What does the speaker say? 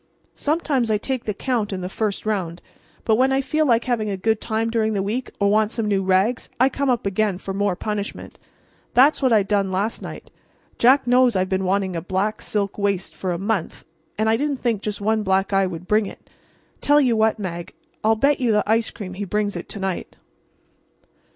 Sometimes I take the count in the first round; but when I feel like having a good time during the week or want some new rags I come up again for more punishment. That's what I done last night. Jack knows I've been wanting a black silk waist for a month, and I didn't think just one black eye would bring it. Tell you what, Mag, I'll bet you the ice cream he brings it to night."